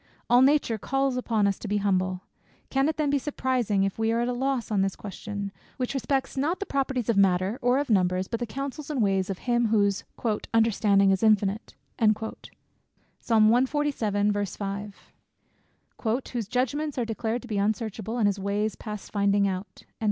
All nature calls upon us to be humble. Can it then be surprising if we are at a loss on this question, which respects, not the properties of matter, or of numbers, but the counsels and ways of him whose "Understanding is infinite," "whose judgments are declared to be unsearchable, and his ways past finding out?"